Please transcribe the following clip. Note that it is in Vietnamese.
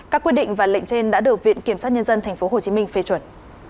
các quyết định và lệnh trên đã được viện kiểm sát nhân dân tp hcm phê chuẩn